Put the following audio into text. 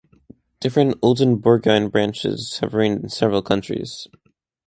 Different Oldenburgine branches have reigned in several countries.